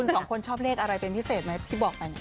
คุณสองคนชอบเลขอะไรเป็นพิเศษไหมที่บอกไป